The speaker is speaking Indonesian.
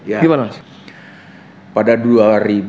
bagaimana kita mengetahui bahwa benda benda ini sudah ada di sekitar kita